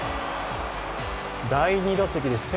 第２打席です。